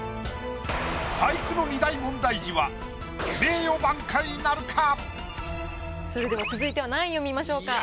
俳句の２大問題児は名誉挽回なるか⁉それでは続いては何位を見ましょうか？